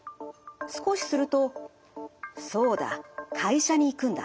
少しすると「そうだ会社に行くんだ。